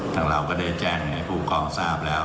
ทางเราก็ได้แจ้งให้ผู้กองทราบแล้ว